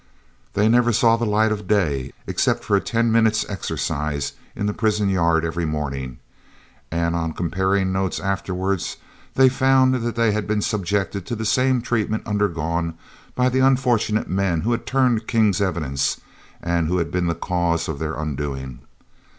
They never saw the light of day except for a ten minutes' exercise in the prison yard every morning; and, on comparing notes afterwards, they found that they had been subjected to the same treatment undergone by the unfortunate men who had turned King's evidence and who had been the cause of their undoing.